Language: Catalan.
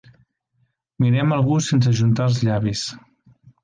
Mirem algú sense ajuntar els llavis.